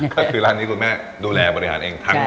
ก็คือร้านนี้คุณแม่ดูแลบริหารเองทั้งหมด